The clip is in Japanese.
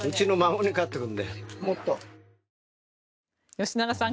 吉永さん